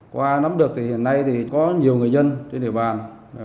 qua nắm được thì hiện nay thì có nhiều người dân trên địa bàn